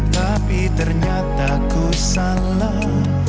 tapi ternyata ku salah